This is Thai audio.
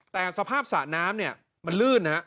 แต่สภาพสระน้ำเนี่ยมันลื่นนะฮะ